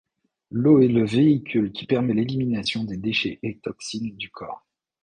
L'eau est le véhicule qui permet l'élimination des déchets et toxines du corps.